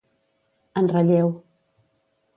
En relleu.